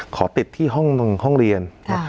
ขอติดที่ห้องเรียน